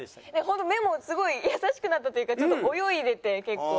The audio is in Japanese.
本当目もすごい優しくなったというかちょっと泳いでて結構。